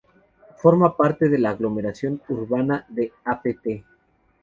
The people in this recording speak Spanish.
Forma parte de la aglomeración urbana de Apt.